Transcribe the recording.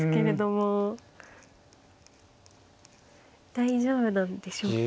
大丈夫なんでしょうか。